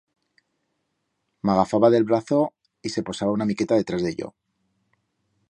M'agafaba d'el brazo y se posaba una miqueta detrás de yo.